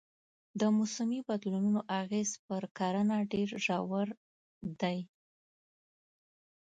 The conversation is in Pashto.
د موسمي بدلونونو اغېز پر کرنه ډېر ژور دی.